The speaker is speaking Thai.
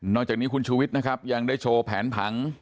จากนี้คุณชูวิทย์นะครับยังได้โชว์แผนผัง